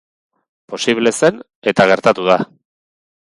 Posible zen eta gertatu da.